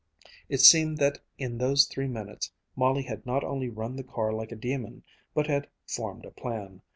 It seemed that in those three minutes Molly had not only run the car like a demon, but had formed a plan.